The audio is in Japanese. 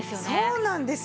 そうなんですよ！